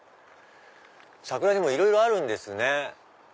桜にもいろいろあるんですね。